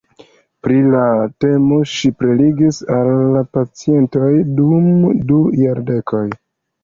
Pri la temo ŝi prelegis al pacientoj dum du jardekoj.